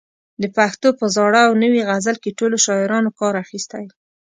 د پښتو په زاړه او نوي غزل کې ټولو شاعرانو کار اخیستی.